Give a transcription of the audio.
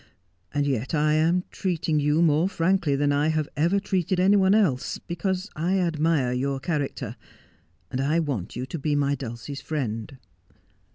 And yet I am treating you more frankly than I have ever treated any one else, because I admiro your character — and I want you to be my Dulcie's friend.'